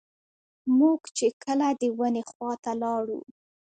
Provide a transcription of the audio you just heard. موږ چې کله د ونې خواته لاړو.